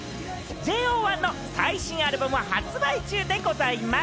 ＪＯ１の最新アルバムは発売中でございます。